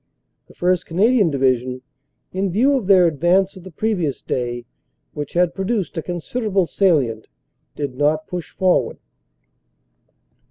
The 1st. Canadian Division, in view of their advance of the previous day which had produced a consider able salient, did not push forward."